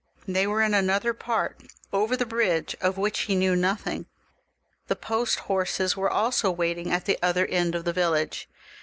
They were in another 'part, over the bridge, of which he knew nothing. The post horses were also wait ing at the other end of the village.